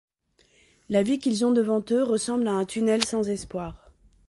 La vie qu'ils ont devant eux ressemble à un tunnel sans espoir.